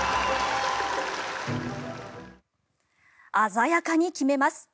鮮やかに決めます。